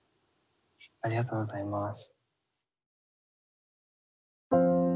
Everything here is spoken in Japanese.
ありがとうございます。